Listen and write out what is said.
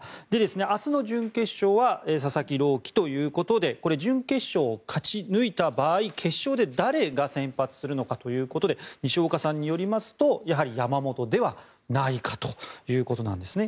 明日の準決勝は佐々木朗希ということで準決勝を勝ち抜いた場合決勝で誰が先発するのかということで西岡さんによりますとやはり山本ではないかということなんですね。